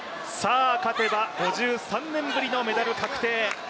勝てば５３年ぶりのメダル確定。